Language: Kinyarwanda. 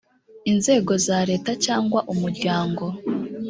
inzego za leta cyangwa umuryango